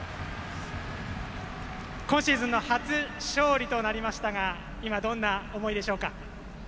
今シーズンの初勝利となりましたが今、どんな思いでしょうか。